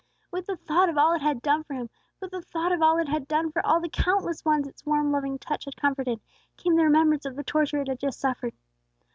With the thought of all it had done for him, with the thought of all it had done for all the countless ones its warm, loving touch had comforted, came the remembrance of the torture it had just suffered.